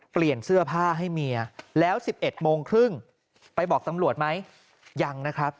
เปลี่ยนเสื้อผ้าให้เมียแล้ว๑๑โมงครึ่งไปบอกตำรวจไหมยังนะครับ